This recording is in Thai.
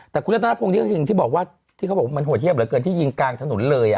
แต่คุณต้นทางพวกนี้ก็คิดถึงที่บอกว่าที่เขาบอกว่ามันโหดเทียบเหลือเกินที่ยิงกลางถนนเลย